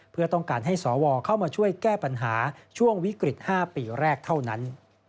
เพื่อต้องการให้สวเข้ามาช่วยแก้ปัญหาช่วงวิกฤต๕ปีแรกเท่านั้น